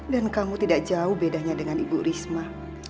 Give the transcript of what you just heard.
dan kamu tidak jauh bedanya dengan ibu risma